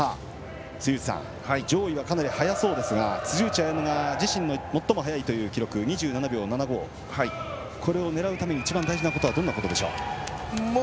上位はかなり速そうですが辻内彩野が自身の最も速いという記録２７秒７５、これを狙うために一番大事なことはどんなことでしょう？